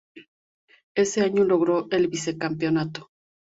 Ese año logró el vice-campeonato.